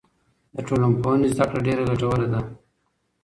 د ټولنپوهنې زده کړه ډېره ګټوره ده.